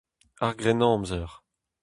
Ar Grennamzer.